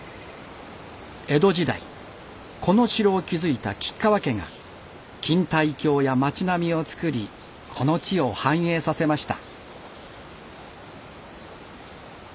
江戸時代この城を築いた吉川家が錦帯橋や町並みをつくりこの地を繁栄させました。